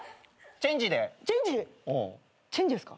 チェンジですか？